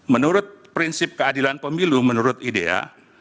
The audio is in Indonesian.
menurut prinsip keadilan pemilu menurut idea